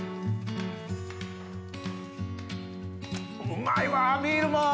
うまいわビールも！